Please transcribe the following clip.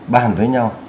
bàn với nhau